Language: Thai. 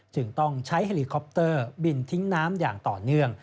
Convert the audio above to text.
จึงต้องใช้เฮลิคอปเตอร์บินทิ้งน้ำอย่างต่อเนื่อง